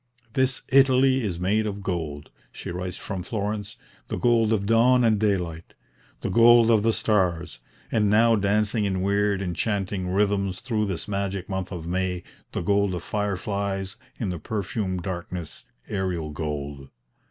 "This Italy is made of gold," she writes from Florence, "the gold of dawn and daylight, the gold of the stars, and, now dancing in weird enchanting rhythms through this magic month of May, the gold of fireflies in the perfumed darkness 'aerial gold.'